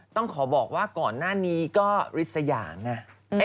ต้องขอบอกว่าก่อนหน้านี้ก็ฤทธยางไง